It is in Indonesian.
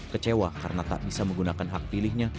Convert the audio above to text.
kecewa karena tak bisa menggunakan hak pilihnya